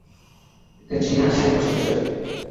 এটাই হচ্ছে আমার ছেলের আসল বিজয়।